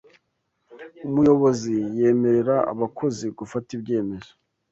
Umuyobozi yemerera abakozi gufata ibyemezo